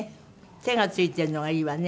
手が付いてるのがいいわね。